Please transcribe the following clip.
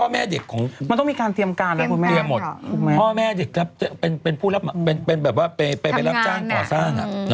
มันต้องมีการเตรียมการพ่อแม่เด็กเป็นผู้รับไปรับจ้างขอสร้าง